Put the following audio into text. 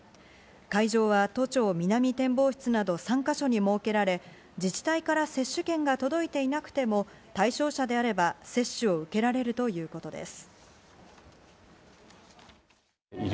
会場は都庁南展望室など３か所に設けられ、自治体から接種券が届いていなくても、対象者であれば接種を受けられるということです。